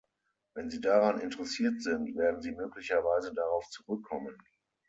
Wenn sie daran interessiert sind, werden sie möglicherweise darauf zurückkommen.